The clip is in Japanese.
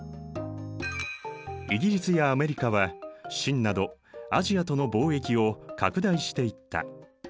イギリスやアメリカは清などアジアとの貿易を拡大していった。